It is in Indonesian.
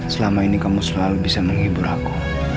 selama ini kamu selalu bisa menghibur aku